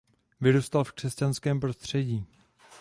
Vyrůstal v křesťanském prostředí.